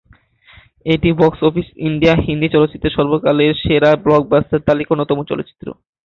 এটি box office ইন্ডিয়ার "হিন্দি চলচ্চিত্রের সর্বকালের সেরা ব্লকবাস্টার" তালিকার অন্যতম চলচ্চিত্র।